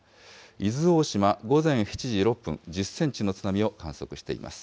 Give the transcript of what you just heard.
伊豆大島、午前７時６分、１０センチの津波を観測しています。